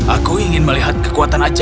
aku ingin melihat kekuatan aceh